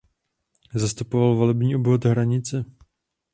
Zastupoval volební obvod Hranice.